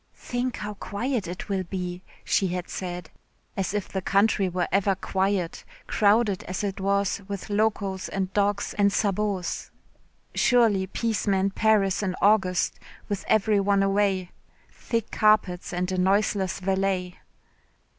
"Think how quiet it will be," she had said. As if the country were ever quiet, crowded as it was with locos and dogs and sabots. Surely peace meant Paris in August, with every one away, thick carpets and a noiseless valet.